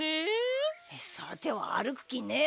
さてはあるくきねえだろ。